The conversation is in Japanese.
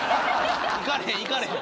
行かれへん行かれへん。